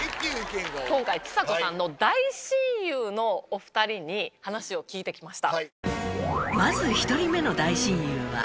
今回ちさ子さんの大親友のお２人に話を聞いて来ました。